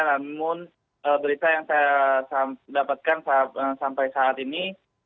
namun berita yang saya dapatkan sampai saat ini